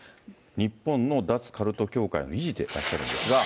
日本の脱カルト協会の理事でいらっしゃるんですが。